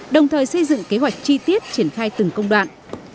đồng thời xây dựng kế hoạch chi tiết triển khai từng công đoạn